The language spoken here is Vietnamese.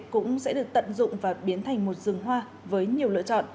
cũng sẽ được tận dụng và biến thành một rừng hoa với nhiều lựa chọn